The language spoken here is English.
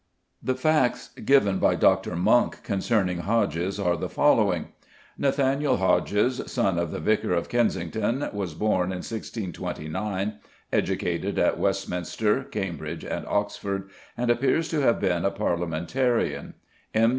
The facts given by Dr. Munk concerning Hodges are the following: Nathaniel Hodges, son of the vicar of Kensington, was born in 1629, educated at Westminster, Cambridge, and Oxford, and appears to have been a Parliamentarian; M.